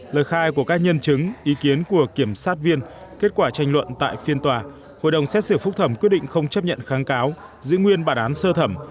lời khai của các nhân chứng ý kiến của kiểm sát viên kết quả tranh luận tại phiên tòa hội đồng xét xử phúc thẩm quyết định không chấp nhận kháng cáo giữ nguyên bản án sơ thẩm